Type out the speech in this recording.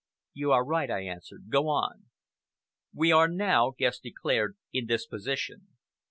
"You are right," I answered. "Go on." "We are now," Guest declared, "in this position.